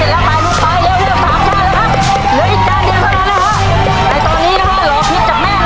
เหลืออีกจานเดียวเท่านั้นนะฮะในตอนนี้ฮะหล่อพลิกจากแม่กันนะครับ